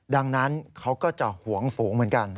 ดังนั้นเขาก็จะหวงฝูงเหมือนกัน